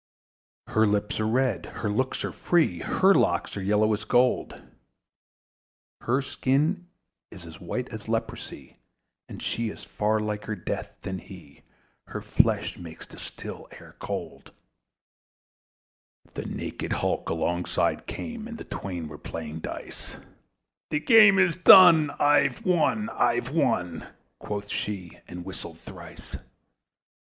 Her lips were red, her looks were free, Her locks were yellow as gold: Her skin was as white as leprosy, The Night Mare LIFE IN DEATH was she, Who thicks man's blood with cold. The naked hulk alongside came, And the twain were casting dice; "The game is done! I've won! I've won!" Quoth she, and whistles thrice.